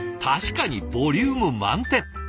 確かにボリューム満点。